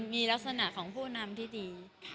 มีลักษณะของผู้นำที่ดี